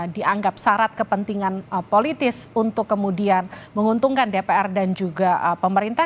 dianggap syarat kepentingan politis untuk kemudian menguntungkan dpr dan juga pemerintah